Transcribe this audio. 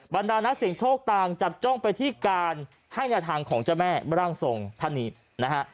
วันดารสิ่งโชคต่างจับจ้องไปที่การให้แนวทางของเจ้าแม่บร่างทรงทานีฮะ